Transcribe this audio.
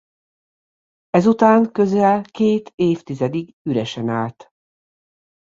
Ezután közel két évtizedig üresen állt.